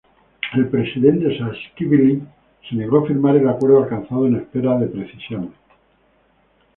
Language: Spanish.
El presidente Saakashvili se negó a firmar el acuerdo alcanzado, en espera de precisiones.